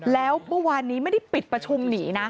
แล้วเมื่อวานนี้ไม่ได้ปิดประชุมหนีนะ